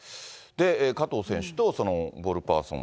加藤選手とそのボールパーソン。